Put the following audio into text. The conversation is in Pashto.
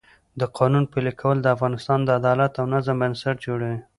د قانون پلي کول د افغانستان د عدالت او نظم بنسټ جوړوي